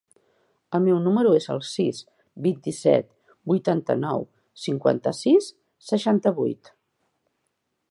El meu número es el sis, vint-i-set, vuitanta-nou, cinquanta-sis, seixanta-vuit.